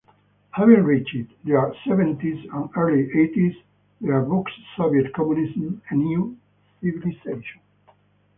Having reached their seventies and early eighties, their books Soviet Communism: A New Civilisation?